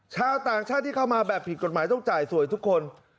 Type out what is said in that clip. ชาวต่างชาติที่เข้ามาแบบผิดกฎหมายต้องจ่ายสวยทุกคน